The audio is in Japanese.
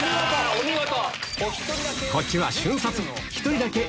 お見事！